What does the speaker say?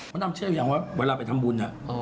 ดำเชื่อยังว่าเวลาไปทำบุญ